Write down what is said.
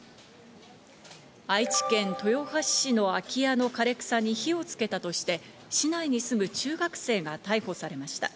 愛知県豊橋市の空き家の枯れ草に火をつけたとして市内に住む中学生が逮捕されました。